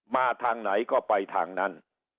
มาทางไหนก็ไปทางนั้น